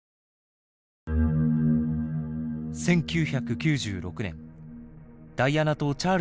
１９９６年ダイアナとチャールズは離婚。